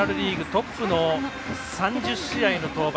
トップの３０試合の登板。